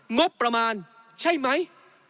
งบประมาณใช่ไหม